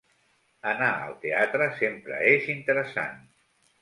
Anar al teatre sempre és interessant.